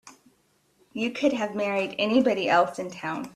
You could have married anybody else in town.